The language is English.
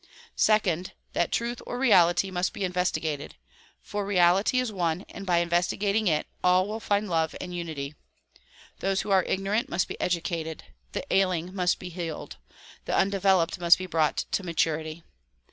Second ; that truth or reality must be investigated ; for reality is one and by investigating it, all will find love and unity. Those who are ignorant must be educated, the ailing must be healed, the undeveloped must be brought to maturity.